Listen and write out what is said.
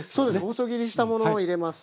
細切りしたものを入れます。